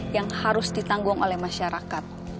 yang harus ditanggung oleh masyarakat